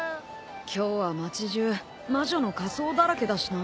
今日は町中魔女の仮装だらけだしな。